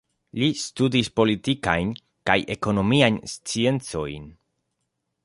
Li studis Politikajn kaj Ekonomiajn Sciencojn.